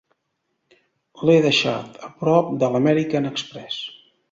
L'he deixat a prop de l'American Express.